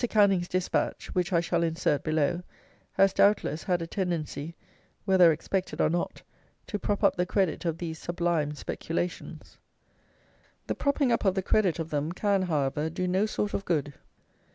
Canning's despatch, which I shall insert below, has, doubtless, had a tendency (whether expected or not) to prop up the credit of these sublime speculations. The propping up of the credit of them can, however, do no sort of good.